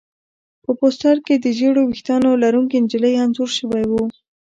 په پوسټر کې د ژېړو ویښتانو لرونکې نجلۍ انځور شوی و